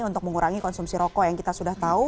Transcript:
untuk mengurangi konsumsi rokok yang kita sudah tahu